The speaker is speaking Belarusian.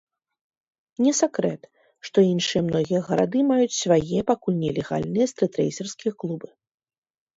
Не сакрэт, што іншыя многія гарады маюць свае, пакуль нелегальныя, стрытрэйсерскія клубы.